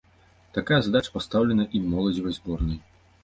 Такая задача пастаўлена і моладзевай зборнай.